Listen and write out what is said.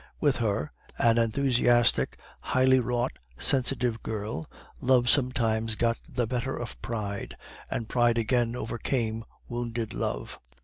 With her, an enthusiastic, highly wrought, sensitive girl, love sometimes got the better of pride, and pride again overcame wounded love.